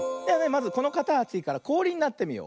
まずこのかたちからこおりになってみよう。